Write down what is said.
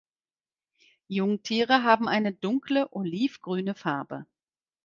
Jungtiere haben eine dunkle olivgrüne Farbe.